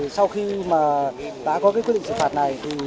sau khi đã có quyết định xử phạt này